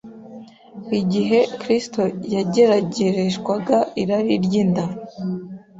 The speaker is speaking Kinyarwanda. Igihe Kristo yageragereshwaga irari ry’inda